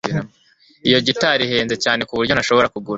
Iyo gitari ihenze cyane ku buryo ntashobora kugura